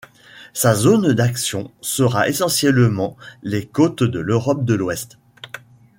Sa zone d'action sera essentiellement les côtes de l'Europe de l'ouest.